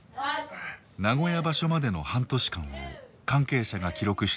名古屋場所までの半年間を関係者が記録した映像。